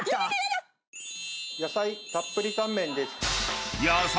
野菜たっぷりタンメンです。